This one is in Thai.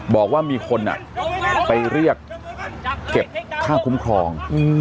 บอกว่ามีคนไปเรียกเก็บค่าคุ้มครอง